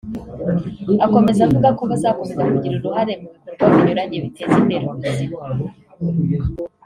Akomeza avuga ko bazakomeza kugira uruhare mu bikorwa binyuranye biteza imbere ubuzima